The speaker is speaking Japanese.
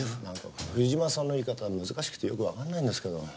なんか冬島さんの言い方難しくてよくわかんないんですけど。